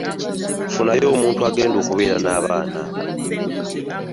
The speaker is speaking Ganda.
Ffuna y'omuntu agenda okubeera n'abaana bo.